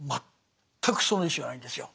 全くその意思がないんですよ。